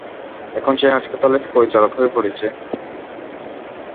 এখন সে হাসপাতালের পরিচালক হয়ে পড়েছে!